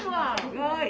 すごい。